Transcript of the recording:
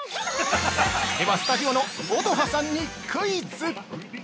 では、スタジオの乙葉さんにクイズ！